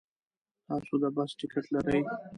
تاسو د بس ټکټ لرئ؟